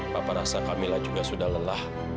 papa rasa kamilah juga sudah lelah